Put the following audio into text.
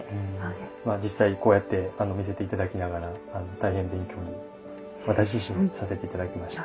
実際こうやって見せて頂きながら大変勉強に私自身もさせて頂きました。